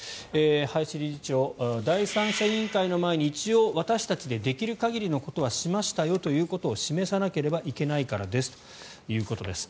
林理事長、第三者委員会の前に一応、私たちでできる限りのことはしましたよということを示さなければいけないからですということです。